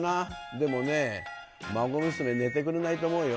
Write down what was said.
でもね、孫娘、寝てくれないと思うよ。